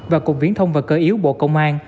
và cục viễn thông và cơ yếu bộ công an